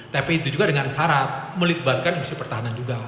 tapi itu juga dengan syarat melibatkan industri pertahanan juga